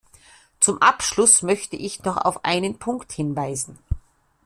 Zum Abschluss möchte ich noch auf einen Punkt hinweisen.